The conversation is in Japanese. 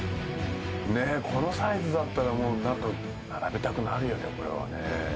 このサイズだったら並べたくなるよね、これは。